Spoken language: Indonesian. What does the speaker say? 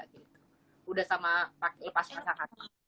sudah sama lepasan khasmat